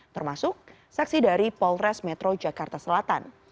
termasuk saksi dari polres metro jakarta selatan